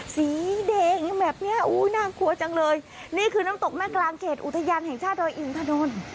สีแดงแบบเนี้ยอุ้ยน่ากลัวจังเลยนี่คือน้ำตกแม่กลางเขตอุทยานแห่งชาติดอยอินทนนท์